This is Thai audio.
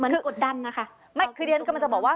เหมือนกดดันนะคะ